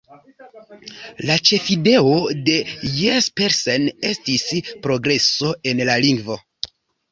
La ĉefideo de Jespersen estis progreso en la lingvo.